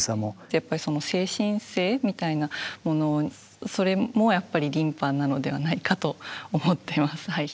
やっぱりその精神性みたいなものそれもやっぱり琳派なのではないかと思ってます。